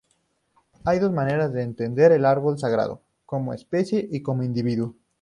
Hay dos maneras de entender el árbol sagrado, como especie y como individuo.